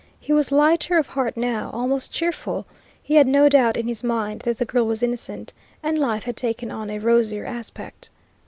He was lighter of heart now, almost cheerful. He had no doubt in his mind that the girl was innocent, and life had taken on a rosier aspect.